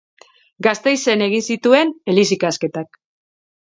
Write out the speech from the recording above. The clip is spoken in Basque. Gasteizen egin zituen eliz ikasketak.